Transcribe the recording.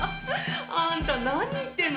あんた何言ってんの？